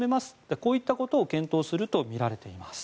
こういったことを検討するとみられています。